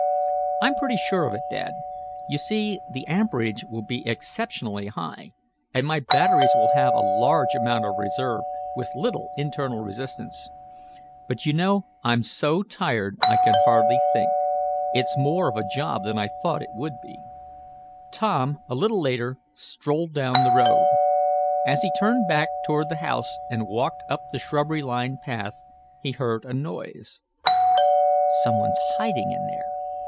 "I'm pretty sure of it, Dad. You see the amperage will be exceptionally high, and my batteries will have a large amount of reserve, with little internal resistance. But do you know I'm so tired I can hardly think. It's more of a job than I thought it would be." Tom, a little later, strolled down the road. As he turned back toward the house and walked up the shrubbery lined path he heard a noise. "Some one's hiding in there!"